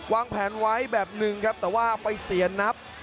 วางแผนไว้แบบหนึ่งครับแต่ว่าไปเสียนับ